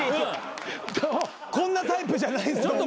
こんなタイプじゃない。